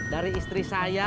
dari istri saya